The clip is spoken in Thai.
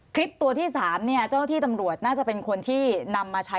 คลิปตัวที่๓เนี่ยเจ้าที่ตำรวจน่าจะเป็นคนที่นำมาใช้